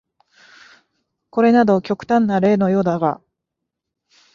これなど極端な例のようだが、